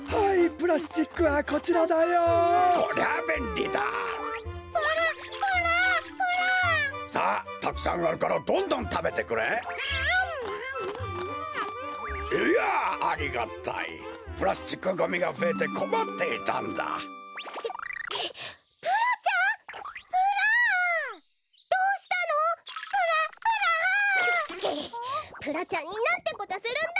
プラちゃんになんてことするんだ！